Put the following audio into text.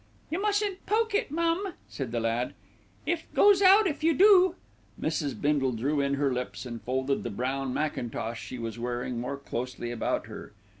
"You mustn't poke it, mum," said the lad. "It goes out if you do." Mrs. Bindle drew in her lips, and folded the brown mackintosh she was wearing more closely about her.